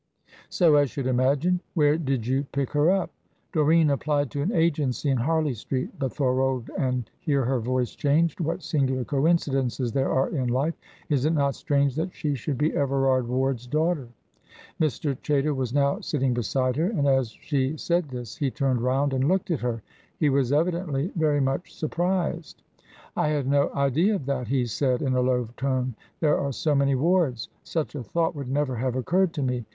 "So I should imagine. Where did you pick her up?" "Doreen applied to an agency in Harley Street. But Thorold," and here her voice changed, "what singular coincidences there are in life! Is it not strange that she should be Everard Ward's daughter?" Mr. Chaytor was now sitting beside her, and as she said this he turned round and looked at her. He was evidently very much surprised. "I had no idea of that," he said, in a low tone. "There are so many Wards. Such a thought would never have occurred to me."